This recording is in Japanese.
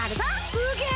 すげえ！